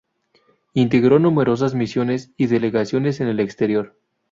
Integró numerosas misiones y delegaciones en el exterior.